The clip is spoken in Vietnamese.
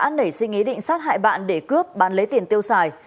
đã nảy sinh ý định sát hại bạn để cướp bán lấy tiền tiêu xài